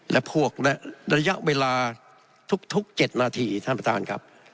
และพวกและระยะเวลาทุก๗นาทีท่านประธานครับ